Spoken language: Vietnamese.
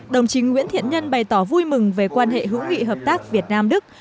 đồng chí nguyễn thiện nhân bày tỏ vui mừng về quan hệ hữu nghị hợp tác việt nam đức